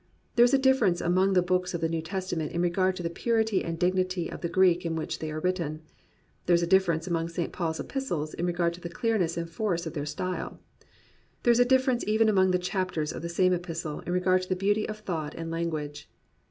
There is a difference among the books of the New Testament in regard to the purity and dignity of the Greek in which they are written. There is a difference among St. Paul's Epistles in regard to the clearness and force of their style. There is a difference even among the chapters of the same epistle in regard to the beauty of thought and lan guage.